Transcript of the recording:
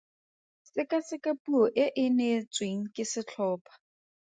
Sekaseka puo e e neetsweng ke setlhopha.